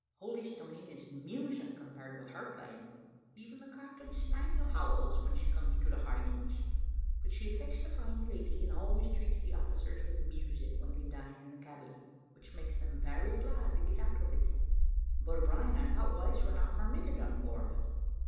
Holystoning is music compared with her playing; even the captain's spaniel howls when she comes to the high notes; but she affects the fine lady, and always treats the officers with music when they dine in the cabin, which makes them very glad to get out of it." "But, O'Brien, I thought wives were not permitted on board."